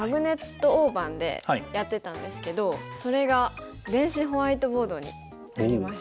大盤でやってたんですけどそれが電子ホワイトボードになりました。